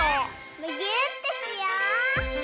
むぎゅーってしよう！